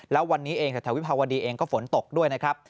แล้ววันนี้เองแถววิภาวดีเองก็ฝนตกด้วยนะครับ